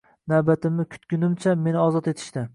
Navbatimni kutgunimcha meni ozod etishdi